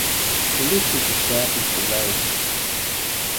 The list of the staff is below.